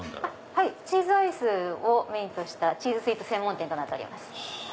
チーズアイスをメインとしたチーズスイーツ専門店です。